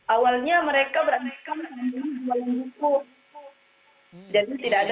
awalnya mereka berasal